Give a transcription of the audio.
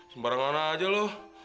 sembarang mana aja lu